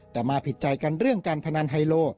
แต่มาผิดใจกันเรื่องการพนันไฮโล